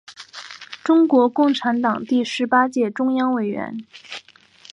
中国共产党第十八届中央委员。